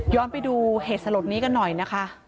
ไปดูเหตุสลดนี้กันหน่อยนะคะ